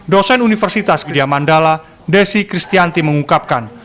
dosen universitas gedha mandala desi kristianti mengungkapkan